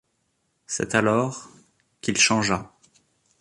C'est alors... qu'il changea.